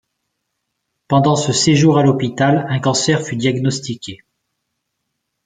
Pendant ce séjour à l'hôpital un cancer fut diagnostiqué.